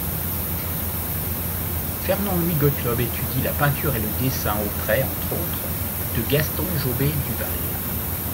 Fernand-Louis Gottlob étudie la peinture et le dessin auprès, entre autres, de Gaston Jobbé-Duval.